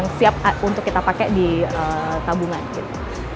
cost apa ya dana yang siap untuk kita pakai di tabungan gitu